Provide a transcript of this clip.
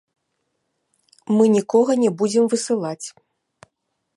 Мы нікога не будзем высылаць.